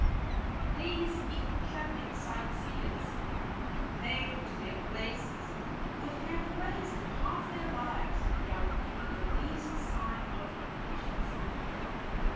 These intrepid sightseers, nailed to their places, would have waited half their lives without giving the least sign of impatience.